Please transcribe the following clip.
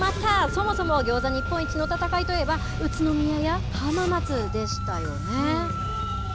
そもそもギョーザ日本一の戦いといえば、宇都宮や浜松でしたよね。